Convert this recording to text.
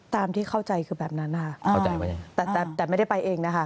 ตามที่เข้าใจคือแบบนั้นน่ะแต่ไม่ได้ไปเองนะคะ